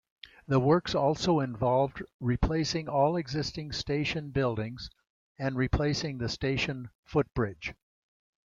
The works also involved replacing all existing station buildings, and replacing the station footbridge.